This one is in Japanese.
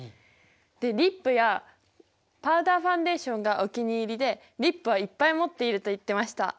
でリップやパウダーファンデーションがお気に入りでリップはいっぱい持っていると言ってました。